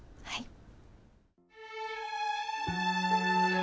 はい。